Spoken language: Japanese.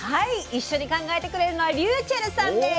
一緒に考えてくれるのはｒｙｕｃｈｅｌｌさんです。